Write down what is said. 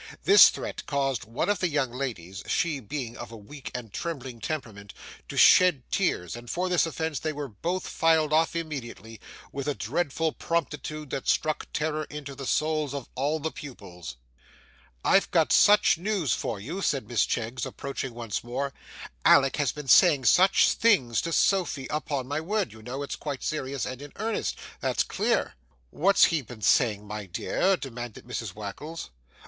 This threat caused one of the young ladies, she being of a weak and trembling temperament, to shed tears, and for this offense they were both filed off immediately, with a dreadful promptitude that struck terror into the souls of all the pupils. 'I've got such news for you,' said Miss Cheggs approaching once more, 'Alick has been saying such things to Sophy. Upon my word, you know, it's quite serious and in earnest, that's clear.' 'What's he been saying, my dear?' demanded Mrs Wackles.